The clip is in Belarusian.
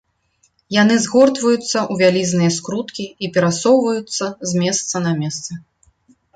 Яны згортваюцца ў вялізныя скруткі і перасоўваюцца з месца на месца.